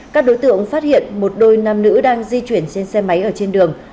các đối tượng phát hiện một đôi nam nữ đang di chuyển trên xe máy ở trên đường